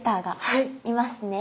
はい。